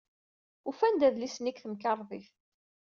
Ufant adlis-nni deg temkarḍit.